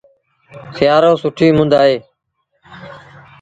سيٚآرو سُٺيٚ مند اهي